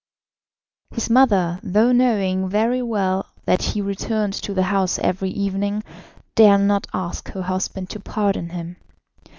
His mother, though knowing very well that he returned to the house every evening, dare not ask her husband to pardon him.